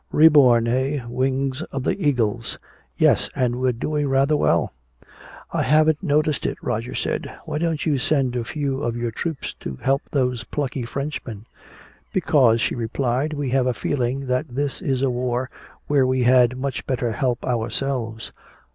"Reborn, eh. Wings of the Eagles." "Yes, and we're doing rather well." "I haven't noticed it," Roger said. "Why don't you send a few of your troops to help those plucky Frenchmen?" "Because," she replied, "we have a feeling that this is a war where we had much better help ourselves."